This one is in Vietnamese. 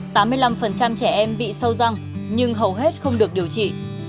tám mươi năm trẻ em bị sâu răng nhưng hầu hết không được điều trị